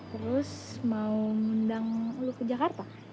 terus mau ngundang lu ke jakarta